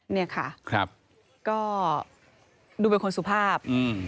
เนี่ยค่ะก็ดูเป็นคนสุภาพ